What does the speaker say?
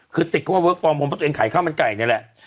คือติดว่าเวิร์คฟอร์มผมต้องการขายข้าวบันไก่นี่แหละ